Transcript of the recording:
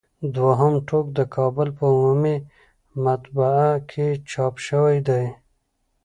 دوهم ټوک د کابل په عمومي مطبعه کې چاپ شوی دی.